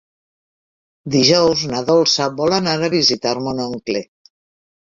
Dijous na Dolça vol anar a visitar mon oncle.